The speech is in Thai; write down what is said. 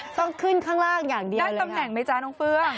ต้องขึ้นข้างล่างอย่างเดียวเลยค่ะได้ตำแหน่งไหมจ้ะองค์เฟื